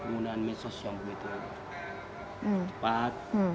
penggunaan medsos yang begitu cepat